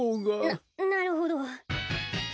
ななるほど。